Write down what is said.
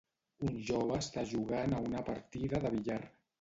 Un jove està jugant a una partida de billar.